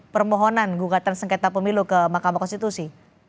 permohonan gugatan sengketa pemilu ke mahkamah konstitusi